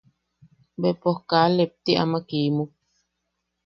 Be pos kaa lepti aman kimuk.